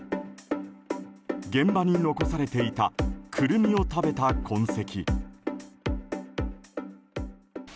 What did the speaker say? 現場に残されていたクルミを食べた痕跡。